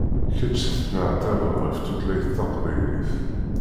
Kečč tettneɛtabeḍ ɣef tutlayt taqbaylit.